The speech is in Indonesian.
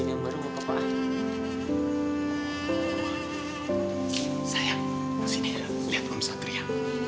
lihat om satria